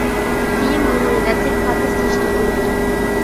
كىيىم يېڭى، رەتلىك، پاكىز كىيىشنى ئويلايدۇ.